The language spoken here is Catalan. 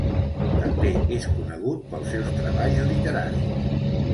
També és conegut pels seus treballs literaris.